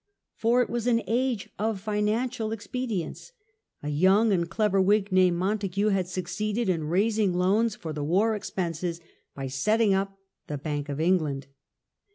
For it was an age of financial expedients; a young and clever Whig named Montague had succeeded in raising loans for the war expenses by setting up the Bank of England.